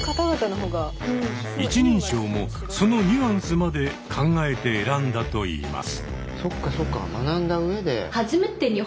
一人称もそのニュアンスまで考えて選んだといいます。